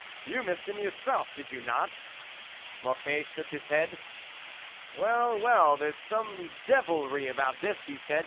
you missed him yourself, did you not ?" Mocquet shook his head. " Well, well, there's some devilry about this," he said.